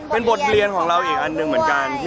เป็นบทเรียนของเราอีกอันหนึ่งเหมือนกัน